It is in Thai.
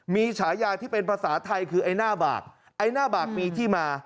มีฉายาที่เป็นภาษาไทยคือไอ้หน้าบากไอ้หน้าบากมีที่มา